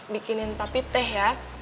bikinin papi teh ya